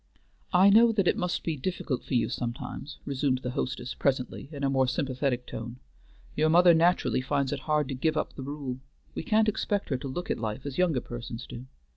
"I know that it must be difficult for you sometimes," resumed the hostess presently, in a more sympathetic tone. "Your mother naturally finds it hard to give up the rule. We can't expect her to look at life as younger persons do."